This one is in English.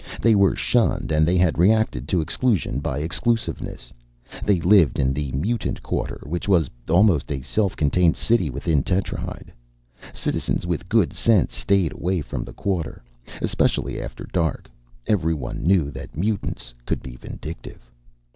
They were shunned, and they had reacted to exclusion by exclusiveness. They lived in the Mutant Quarter, which was almost a self contained city within Tetrahyde. Citizens with good sense stayed away from the Quarter, especially after dark; everyone knew that mutants could be vindictive.